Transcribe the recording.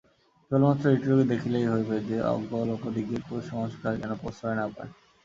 কেবলমাত্র এইটুকু দেখিলেই হইবে যে, অজ্ঞ লোকদিগের কুসংস্কার যেন প্রশ্রয় না পায়।